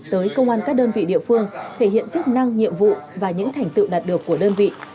tới công an các đơn vị địa phương thể hiện chức năng nhiệm vụ và những thành tựu đạt được của đơn vị